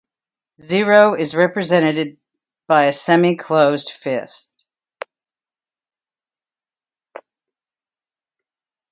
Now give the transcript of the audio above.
"Zero" is represented by a semi-closed fist.